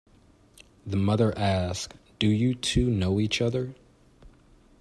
The mother asks Do you two know each other?